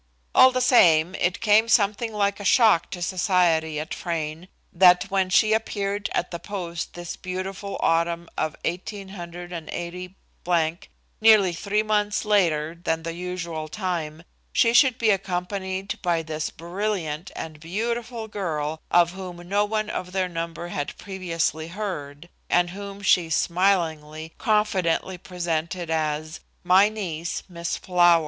All the same it came something like a shock to society at Frayne that, when she appeared at the post this beautiful autumn of 188 , nearly three months later than the usual time, she should be accompanied by this brilliant and beautiful girl of whom no one of their number had previously heard, and whom she smilingly, confidently presented as, "My niece, Miss Flower."